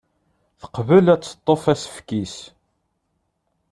Teqbel ad teṭṭef asefk-is.